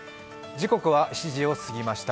時刻は７時を過ぎました。